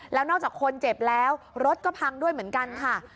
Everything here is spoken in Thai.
แล้วนอกจากคนเจ็บแล้วรถก็พังด้วยเหมือนกันค่ะ